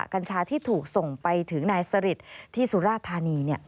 กัญชาที่ถูกส่งไปถึงนายสริทที่สุราธานี